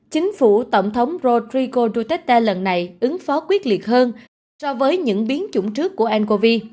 chính phủ tổng thống rodrico duterte lần này ứng phó quyết liệt hơn so với những biến chủng trước của ncov